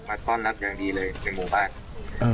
ต้อนรับอย่างดีเลยในหมู่บ้าน